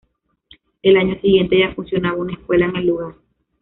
Al año siguiente ya funcionaba una escuela en el lugar.